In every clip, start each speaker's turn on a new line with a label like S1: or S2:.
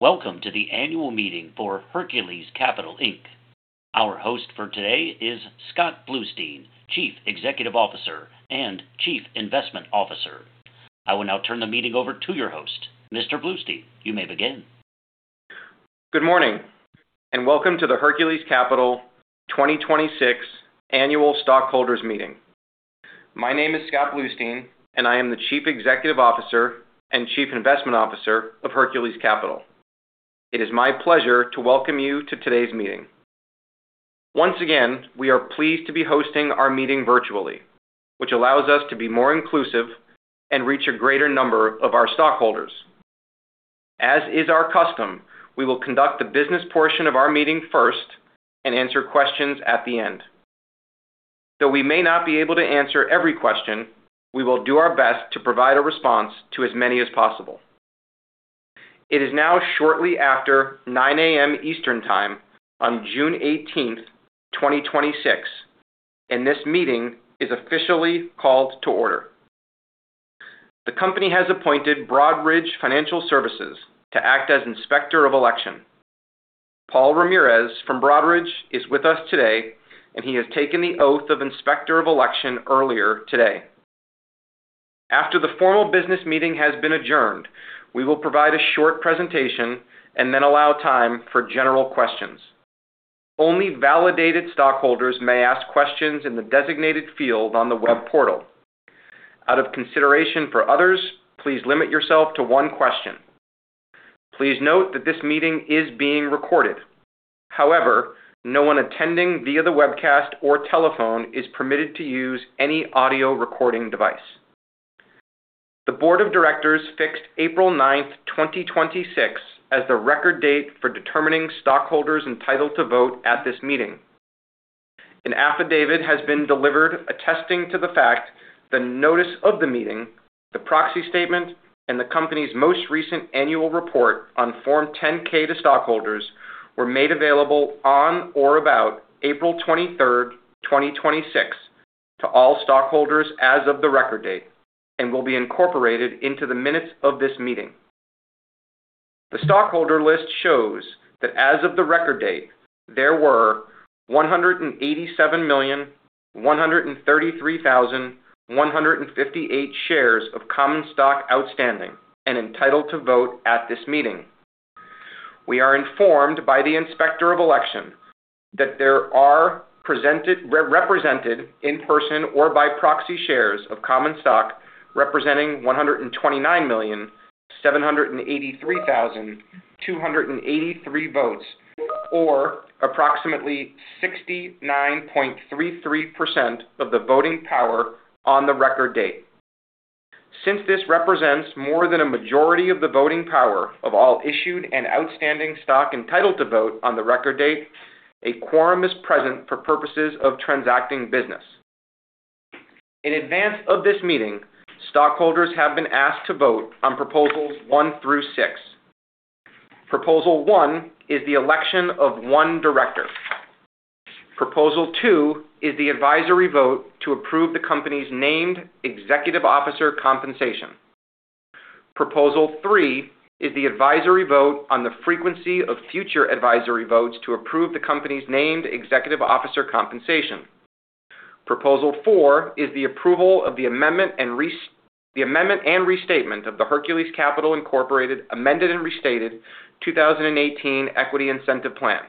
S1: Welcome to the Annual Meeting for Hercules Capital, Inc. Our host for today is Scott Bluestein, Chief Executive Officer and Chief Investment Officer. I will now turn the meeting over to your host. Mr. Bluestein, you may begin.
S2: Good morning. Welcome to the Hercules Capital 2026 Annual Stockholders' Meeting. My name is Scott Bluestein, and I am the Chief Executive Officer and Chief Investment Officer of Hercules Capital. It is my pleasure to welcome you to today's meeting. Once again, we are pleased to be hosting our meeting virtually, which allows us to be more inclusive and reach a greater number of our stockholders. As is our custom, we will conduct the business portion of our meeting first and answer questions at the end. Though we may not be able to answer every question, we will do our best to provide a response to as many as possible. It is now shortly after 9:00 A.M. Eastern Time on June 18th, 2026. This meeting is officially called to order. The company has appointed Broadridge Financial Solutions to act as inspector of election. Paul Ramirez from Broadridge is with us today. He has taken the oath of inspector of election earlier today. After the formal business meeting has been adjourned, we will provide a short presentation and then allow time for general questions. Only validated stockholders may ask questions in the designated field on the web portal. Out of consideration for others, please limit yourself to one question. Please note that this meeting is being recorded. However, no one attending via the webcast or telephone is permitted to use any audio recording device. The board of directors fixed April 9th, 2026, as the record date for determining stockholders entitled to vote at this meeting. An affidavit has been delivered attesting to the fact the notice of the meeting, the proxy statement, and the company's most recent annual report on Form 10-K to stockholders were made available on or about April 23rd, 2026, to all stockholders as of the record date and will be incorporated into the minutes of this meeting. The stockholder list shows that as of the record date, there were 187,133,158 shares of common stock outstanding and entitled to vote at this meeting. We are informed by the Inspector of Election that there are represented in-person or by proxy shares of common stock representing 129,783,283 votes or approximately 69.33% of the voting power on the record date. Since this represents more than a majority of the voting power of all issued and outstanding stock entitled to vote on the record date, a quorum is present for purposes of transacting business. In advance of this meeting, stockholders have been asked to vote on Proposals 1 through 6. Proposal 1 is the election of one director. Proposal 2 is the advisory vote to approve the company's named executive officer compensation. Proposal 3 is the advisory vote on the frequency of future advisory votes to approve the company's named executive officer compensation. Proposal 4 is the approval of the amendment and restatement of the Hercules Capital, Inc. Amended and Restated 2018 Equity Incentive Plan.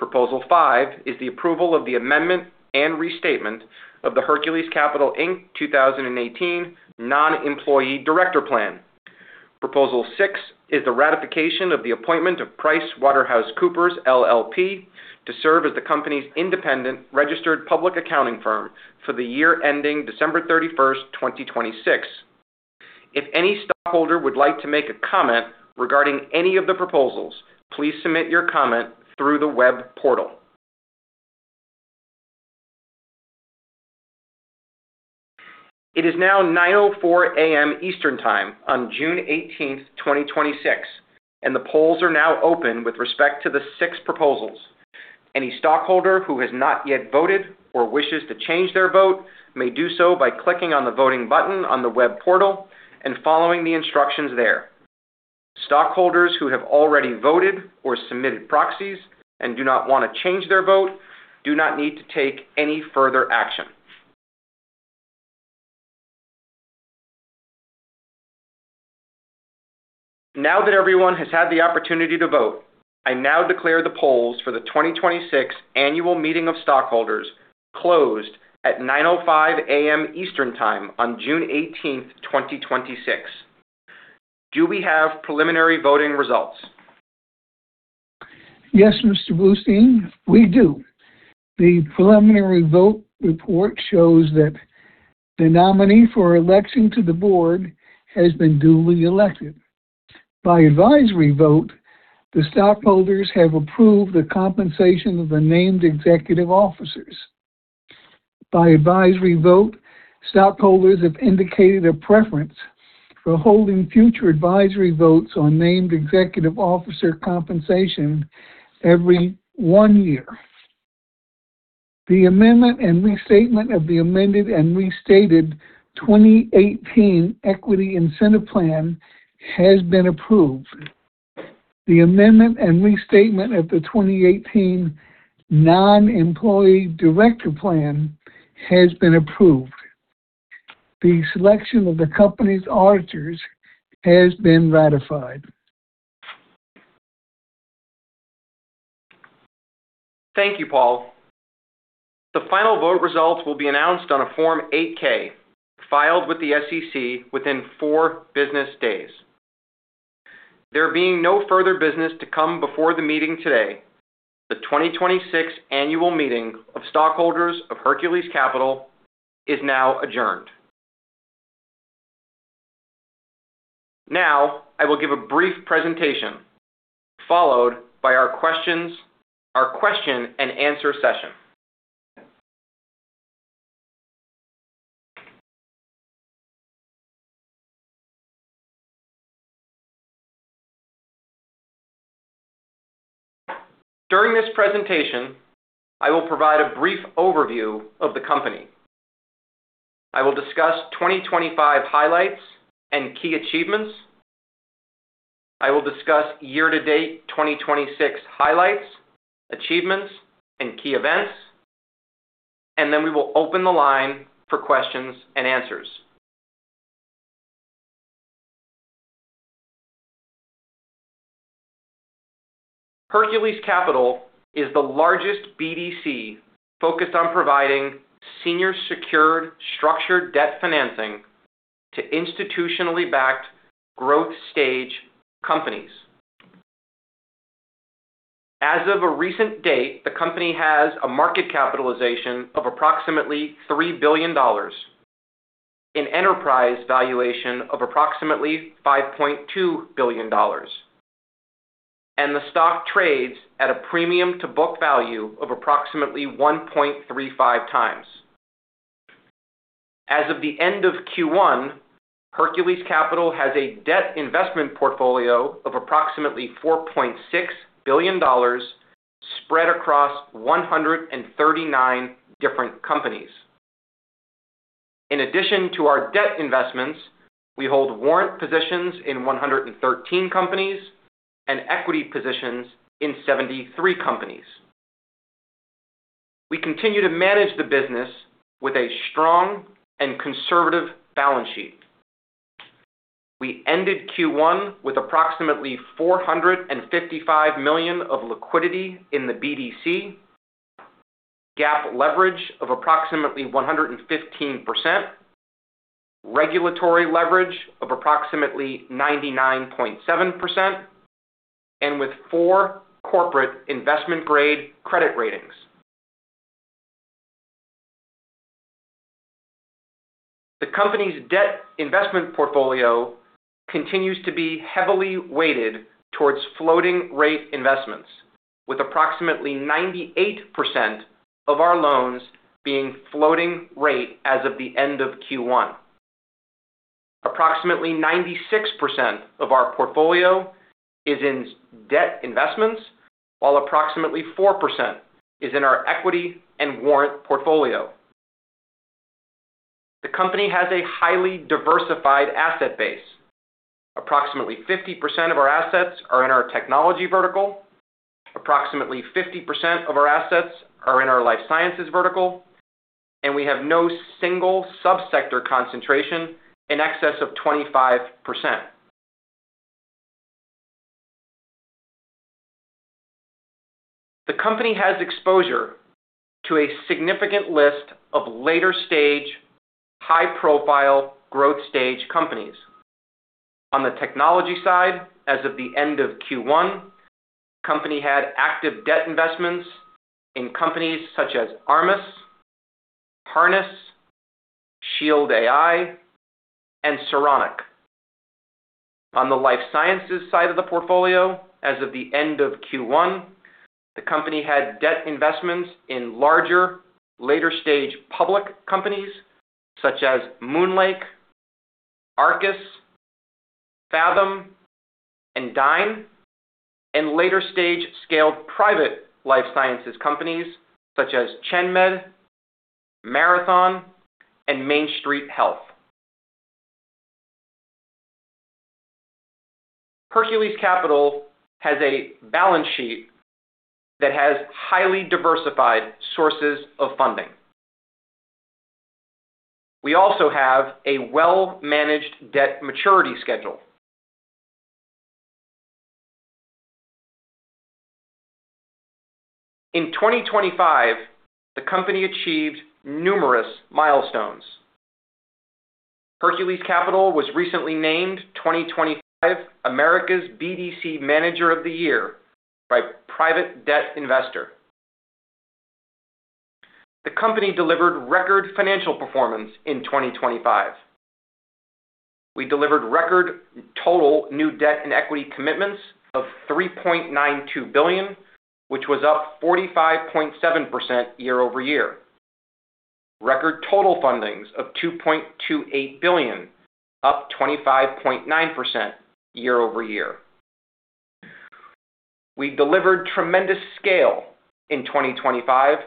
S2: Proposal 5 is the approval of the amendment and restatement of the Hercules Capital, Inc. 2018 Non-Employee Director Plan. Proposal 6 is the ratification of the appointment of PricewaterhouseCoopers LLP to serve as the company's independent registered public accounting firm for the year ending December 31st, 2026. If any stockholder would like to make a comment regarding any of the proposals, please submit your comment through the web portal. It is now 9:04 A.M. Eastern Time on June 18, 2026. The polls are now open with respect to the six proposals. Any stockholder who has not yet voted or wishes to change their vote may do so by clicking on the voting button on the web portal and following the instructions there. Stockholders who have already voted or submitted proxies and do not want to change their vote do not need to take any further action. Now that everyone has had the opportunity to vote, I now declare the polls for the 2026 Annual Meeting of Stockholders closed at 9:05 A.M. Eastern Time on June 18, 2026. Do we have preliminary voting results?
S3: Yes, Mr. Bluestein, we do. The preliminary vote report shows that the nominee for election to the board has been duly elected. By advisory vote, the stockholders have approved the compensation of the named executive officers. By advisory vote, stockholders have indicated a preference for holding future advisory votes on named executive officer compensation every one year. The amendment and restatement of the Amended and Restated 2018 Equity Incentive Plan has been approved. The amendment and restatement of the 2018 Non-Employee Director Plan has been approved. The selection of the company's auditors has been ratified.
S2: Thank you, Paul. The final vote results will be announced on a Form 8-K filed with the SEC within four business days. There being no further business to come before the meeting today, the 2026 Annual Meeting of Stockholders of Hercules Capital is now adjourned. I will give a brief presentation followed by our question and answer session. During this presentation, I will provide a brief overview of the company. I will discuss 2025 highlights and key achievements. I will discuss year-to-date 2026 highlights, achievements, and key events. We will open the line for questions and answers. Hercules Capital is the largest BDC focused on providing senior secured structured debt financing to institutionally backed growth stage companies. As of a recent date, the company has a market capitalization of approximately $3 billion, an enterprise valuation of approximately $5.2 billion, and the stock trades at a premium to book value of approximately 1.35x. As of the end of Q1, Hercules Capital has a debt investment portfolio of approximately $4.6 billion spread across 139 different companies. In addition to our debt investments, we hold warrant positions in 113 companies and equity positions in 73 companies. We continue to manage the business with a strong and conservative balance sheet. We ended Q1 with approximately $455 million of liquidity in the BDC, GAAP leverage of approximately 115%, regulatory leverage of approximately 99.7%, and with four corporate investment-grade credit ratings. The company's debt investment portfolio continues to be heavily weighted towards floating rate investments, with approximately 98% of our loans being floating rate as of the end of Q1. Approximately 96% of our portfolio is in debt investments, while approximately 4% is in our equity and warrant portfolio. The company has a highly diversified asset base. Approximately 50% of our assets are in our technology vertical, approximately 50% of our assets are in our life sciences vertical, and we have no single sub-sector concentration in excess of 25%. The company has exposure to a significant list of later-stage, high-profile growth stage companies. On the technology side, as of the end of Q1, the company had active debt investments in companies such as Armis, Harness, Shield AI, and Saronic. On the life sciences side of the portfolio, as of the end of Q1, the company had debt investments in larger, later-stage public companies such as MoonLake, Arcus, Phathom, and Dyne, and later stage scaled private life sciences companies such as ChenMed, Marathon, and Main Street Health. Hercules Capital has a balance sheet that has highly diversified sources of funding. We also have a well-managed debt maturity schedule. In 2025, the company achieved numerous milestones. Hercules Capital was recently named 2025 America's BDC Manager of the Year by Private Debt Investor. The company delivered record financial performance in 2025. We delivered record total new debt and equity commitments of $3.92 billion, which was up 45.7% year-over-year. Record total fundings of $2.28 billion, up 25.9% year-over-year. We delivered tremendous scale in 2025,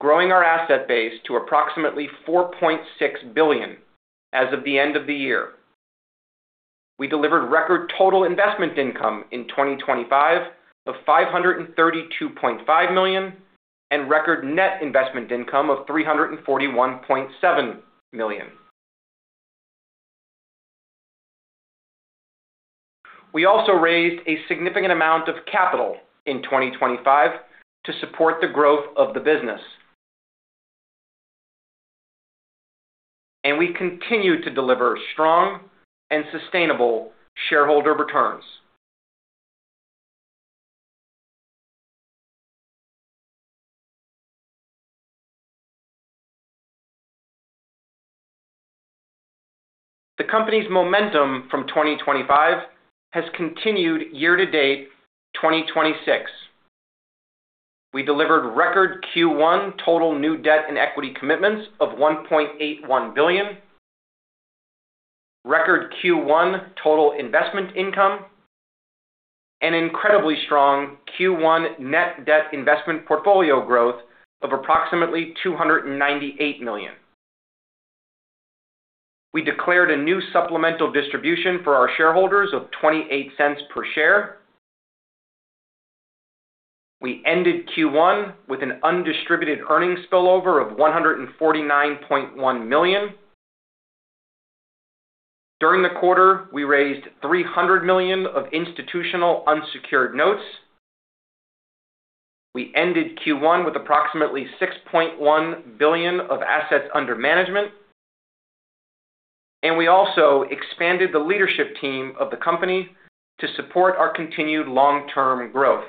S2: growing our asset base to approximately $4.6 billion as of the end of the year. We delivered record total investment income in 2025 of $532.5 million and record net investment income of $341.7 million. We also raised a significant amount of capital in 2025 to support the growth of the business. We continue to deliver strong and sustainable shareholder returns. The company's momentum from 2025 has continued year to date 2026. We delivered record Q1 total new debt and equity commitments of $1.81 billion, record Q1 total investment income, an incredibly strong Q1 net debt investment portfolio growth of approximately $298 million. We declared a new supplemental distribution for our shareholders of $0.28 per share. We ended Q1 with an undistributed earnings spillover of $149.1 million. During the quarter, we raised $300 million of institutional unsecured notes. We ended Q1 with approximately $6.1 billion of assets under management, and we also expanded the leadership team of the company to support our continued long-term growth.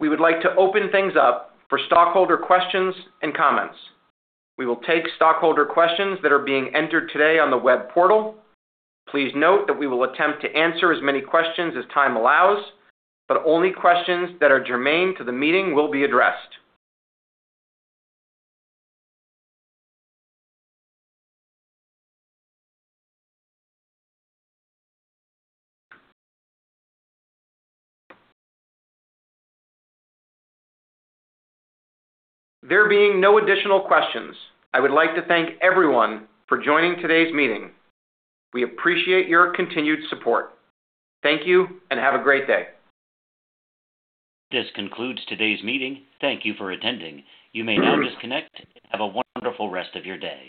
S2: We would like to open things up for stockholder questions and comments. We will take stockholder questions that are being entered today on the web portal. Please note that we will attempt to answer as many questions as time allows, but only questions that are germane to the meeting will be addressed. There being no additional questions, I would like to thank everyone for joining today's meeting. We appreciate your continued support. Thank you, and have a great day.
S1: This concludes today's meeting. Thank you for attending. You may now disconnect. Have a wonderful rest of your day.